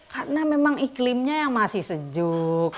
karena memang iklimnya yang masih sejuk